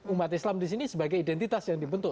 umat islam disini sebagai identitas yang dibentuk